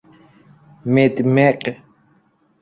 مدمغ ـ مدمق